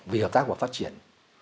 vì hợp tác và phát triển